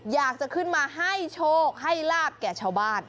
อยากจะขึ้นมาให้โชคให้ลาบแก่ชาวบ้าน